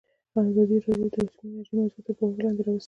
ازادي راډیو د اټومي انرژي موضوع تر پوښښ لاندې راوستې.